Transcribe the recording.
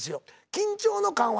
緊張の緩和